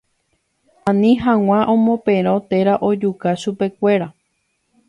Ani hag̃ua omoperõ térã ojuka chupekuéra